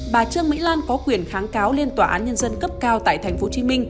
bà trương mỹ lan có quyền kháng cáo lên tòa án nhân dân cấp cao tại tp hcm